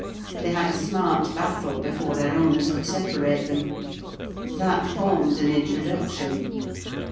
They had a smart battle, before their owners could separate them: that formed an introduction.